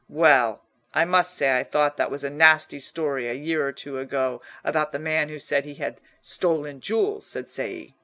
"Well, I must say I thought that was a nasty story a year or two ago about the man who said he had stolen jewels," said Cei.